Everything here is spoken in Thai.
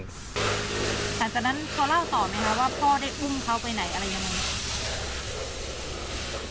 หลังจากนั้นเขาเล่าต่อไหมคะว่าพ่อได้อุ้มเขาไปไหนอะไรยังไง